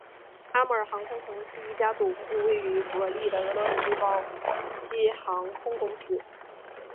阿穆尔航空曾是一家总部位于伯力的俄罗斯包机航空公司。